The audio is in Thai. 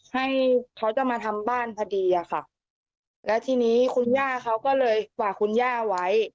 ให้เขาจะมาทำบ้านพอดีอะค่ะแล้วทีนี้คุณย่าเขาก็เลยฝากคุณย่าไว้